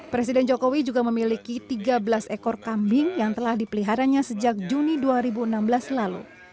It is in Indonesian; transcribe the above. presiden jokowi juga memiliki tiga belas ekor kambing yang telah dipeliharanya sejak juni dua ribu enam belas lalu